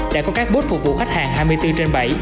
đã có các bút phục vụ khách hàng hai mươi bốn trên bảy